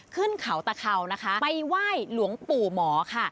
ขึ้นเขาตะเข่านะคะไปไหว้หลวงปู่หมอค่ะ